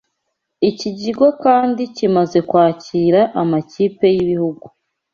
Iki kigo kandi kimaze kwakira amakipe y’ibihugu